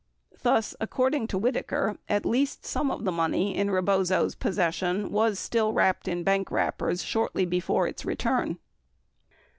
® Thus, according to Whitaker, at least some of the money in Rebozo's possession was still wrapped in bank wrappers shortly before its return.